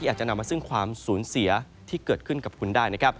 อาจจะนำมาซึ่งความสูญเสียที่เกิดขึ้นกับคุณได้นะครับ